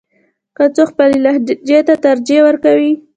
که څوک خپلې لهجې ته ترجیح ورکوي.